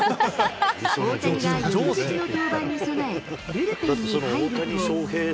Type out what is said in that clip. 大谷が翌日の登板に備え、ブルペンに入ると。